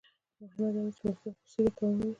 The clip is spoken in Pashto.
مهمه دا ده چې مالکیت خصوصي دی که عمومي.